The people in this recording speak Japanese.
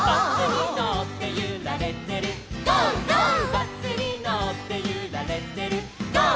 「バスにのってゆられてるゴー！